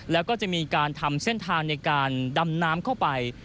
แล้วก็จะมีการทำเส้นทางในการดำน้ำเข้าไป